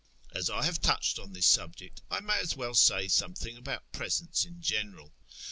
As I have touched on this subject, I may as well say something about presents in general.